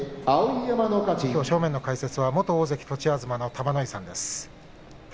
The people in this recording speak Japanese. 正面の解説は元大関栃東の玉ノ井さんです。